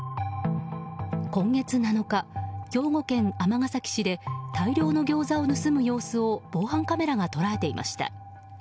今月７日、兵庫県尼崎市で大量のギョーザを盗む様子を防犯カメラが捉えていました。